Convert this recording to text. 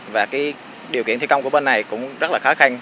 và điều kiện thi công của bên này cũng rất khó khăn